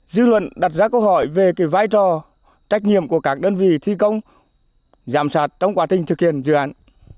dư luận đặt ra câu hỏi về vai trò trách nhiệm của các đơn vị thi công giảm sạt trong quá trình thực hiện dự án